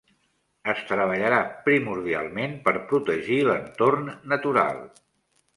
Es treballarà primordialment per protegir l'entorn natural.